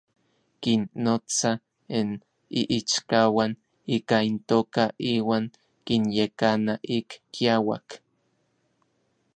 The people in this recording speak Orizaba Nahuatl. Kinnotsa n iichkauan ika intoka iuan kinyekana ik kiauak.